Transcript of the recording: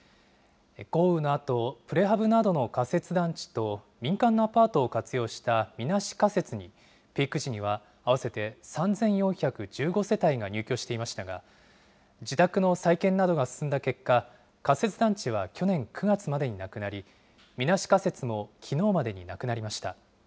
豪雨のあと、プレハブなどの仮設団地と民間のアパートを活用したみなし仮設にピーク時には合わせて３４１５世帯が入居していましたが、自宅の再建などが進んだ結果、仮設団地は去年９月までになくなり、みなし仮設もきのうまでになくなりました。